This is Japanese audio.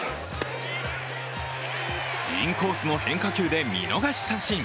インコースの変化球で見逃し三振。